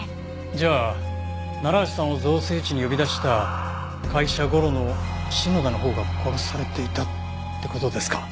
じゃあ楢橋さんを造成地に呼び出した会社ゴロの篠田のほうが殺されていたって事ですか？